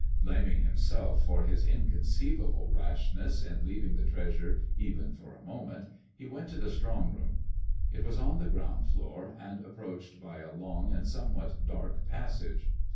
Blaming himself for his inconceivable rashness in leaving the treasure even for a moment, he went to the strong room. It was on the ground floor, and approached by a long and somewhat dark passage.